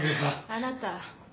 あなた。